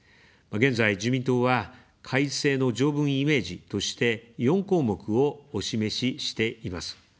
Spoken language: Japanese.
現在、自民党は改正の条文イメージとして、４項目をお示ししています。